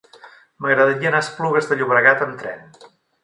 M'agradaria anar a Esplugues de Llobregat amb tren.